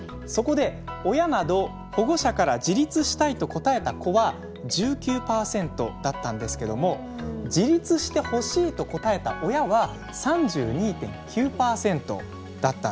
そこで親など保護者から自立したいと答えた子は１９％だったんですけども自立してほしいと答えた親は３２．９％だったんです。